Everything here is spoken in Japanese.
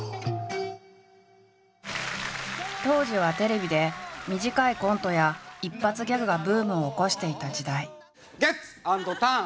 当時はテレビで短いコントや一発ギャグがブームを起こしていた時代。